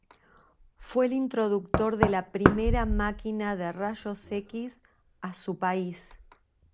Fue el introductor de la primera máquina de rayos X a su país.